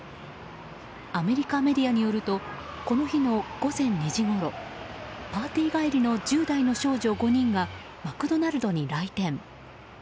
アメリカメディアによるとこの日の午前２時ごろパーティー帰りの１０代の少女５人がマクドナルドに来店。